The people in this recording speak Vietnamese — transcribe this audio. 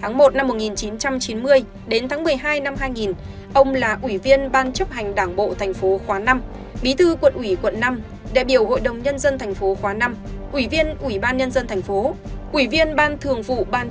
tháng một năm một nghìn chín trăm chín mươi đến tháng một mươi hai năm hai nghìn ông là quỷ viên ban chấp hành đảng bộ tp khoá năm bí thư quận ủy quận năm đại biểu hội đồng nhân dân tp khoá năm quỷ viên ủy ban nhân dân tp hcm